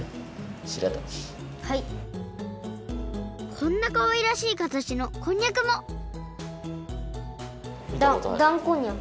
こんなかわいらしいかたちのこんにゃくもだんだんこんにゃく。